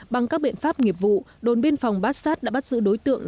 bằng các biện pháp nghiệp vụ đồn biên phòng bát sát đã bắt giữ đối tượng